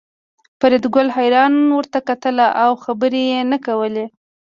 فریدګل حیران ورته کتل او خبرې یې نه کولې